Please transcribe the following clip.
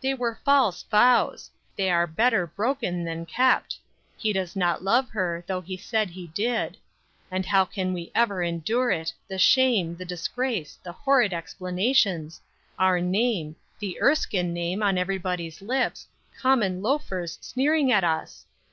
"They were false vows; they are better broken than kept. He does not love her, though he said he did. And how can we ever endure it, the shame, the disgrace, the horrid explanations, our name, the Erskine name, on everybody's lips, common loafers sneering at us?